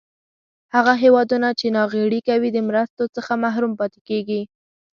هغه هېوادونه چې ناغیړي کوي د مرستو څخه محروم پاتې کیږي.